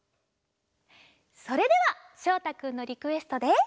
それではしょうたくんのリクエストで。